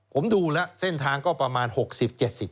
ผมดูแล้วเส้นทางก็ประมาณ๖๐๗๐กิโลกรัม